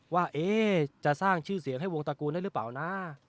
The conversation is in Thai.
ว่าจะสร้างชื่อเสียงให้วงตระกูลได้หรือเปล่านะ